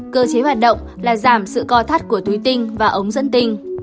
cơ chế hoạt động là giảm sự co thắt của túi tinh và ống dẫn tinh